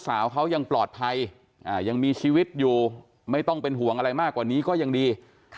สาวเขายังปลอดภัยยังมีชีวิตอยู่ไม่ต้องเป็นห่วงอะไรมากกว่านี้ก็ยังดี